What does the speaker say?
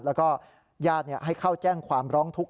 แล้วก็ญาติให้เข้าแจ้งความร้องทุกข